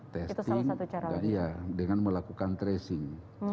testing dengan melakukan tracing